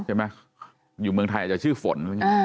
ใช่ไหมอยู่เมืองไทยอาจจะชื่อฝน